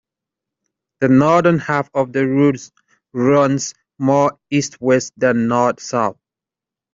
The northern half of the route runs more east-west than north-south.